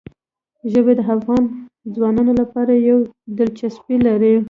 ژبې د افغان ځوانانو لپاره یوه دلچسپي لري.